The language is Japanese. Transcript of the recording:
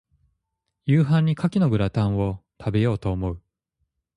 夕飯に牡蠣のグラタンを、食べようと思う。